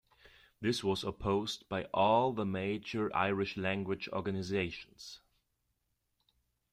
This was opposed by all the major Irish language organisations.